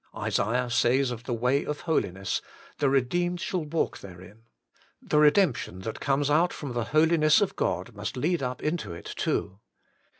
Isaiah says of ' the way of holiness/ the ' redeemed shall walk therein.' The redemption that comes out from the Holiness of God must lead up into it too.